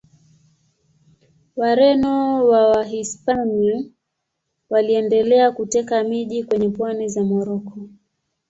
Wareno wa Wahispania waliendelea kuteka miji kwenye pwani za Moroko.